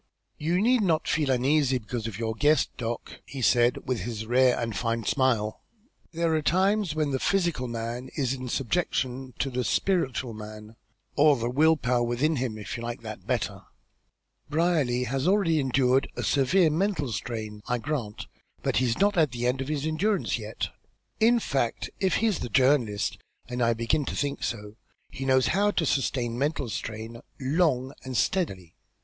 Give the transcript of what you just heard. "You need not feel uneasy because of your guest, Doc.," he said, with his rare and fine smile. "There are times when the physical man is in subjection to the spiritual man, or the will power within him, if you like that better. Brierly has already endured a severe mental strain, I grant, but he's not at the end of his endurance yet. In fact, if he's the journalist, and I begin to think so, he knows how to sustain mental strain long and steadily.